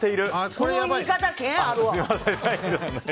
その言い方、険があるわ！